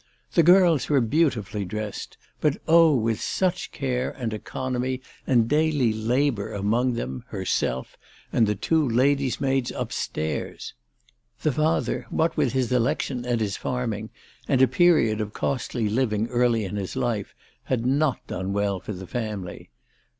The girls were beauti fully dressed ; but oh, with such care and economy and daily labour among them, herself, and the two lady's maids upstairs ! The father, what with his election and his farming, and a period of costly living early in his life, had not done well for the family.